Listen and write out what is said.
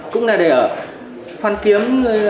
cũng là để ở hoàn kiếm